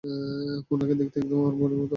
ওনাকে দেখতে একদম আমার বোনের মতো।